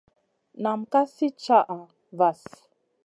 Nam ka sli caha vahl.